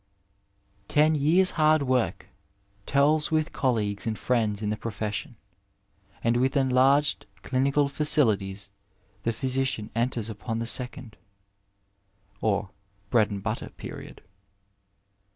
II Ten years' hard work tells with colleagues and friends in the profession, and with enlarged clinical &cilities the physician enters upon the second,^ or bread and butter period.